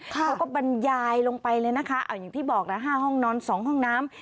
เขาก็บรรยายลงไปเลยนะคะเอาอย่างที่บอกละ๕ห้องนอน๒ห้องน้ำ